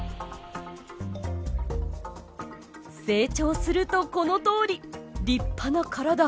成長するとこのとおり立派な体。